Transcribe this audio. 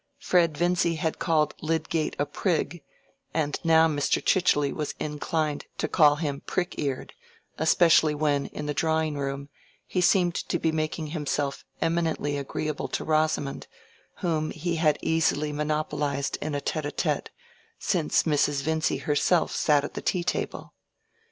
Fred Vincy had called Lydgate a prig, and now Mr. Chichely was inclined to call him prick eared; especially when, in the drawing room, he seemed to be making himself eminently agreeable to Rosamond, whom he had easily monopolized in a tête à tête, since Mrs. Vincy herself sat at the tea table.